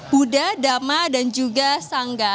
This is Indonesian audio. huda dama dan juga sangga